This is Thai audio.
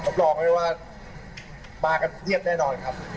รองเลยว่ามากันเพียบแน่นอนครับ